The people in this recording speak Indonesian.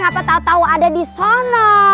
apa tau tau ada di sana